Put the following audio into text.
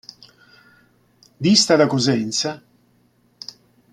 Dista da Cosenza.